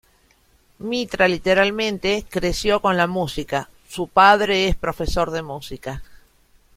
Mitra literalmente, creció con la música, su padre es profesor de música.